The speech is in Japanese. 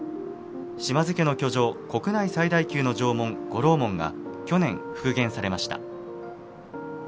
島津家の居城、国内最大級の城門御楼門が去年、復元されました。